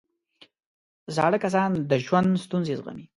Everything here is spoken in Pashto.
زاړه کسان د ژوند ستونزې زغمي